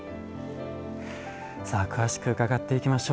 さあ詳しく伺っていきましょう。